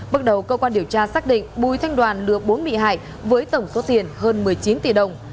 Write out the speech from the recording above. bước đầu cơ quan điều tra xác định bùi thanh đoàn lừa bốn bị hại với tổng số tiền hơn một mươi chín tỷ đồng